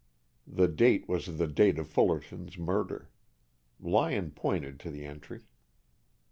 The date was the date of Fullerton's murder. Lyon pointed to the entry.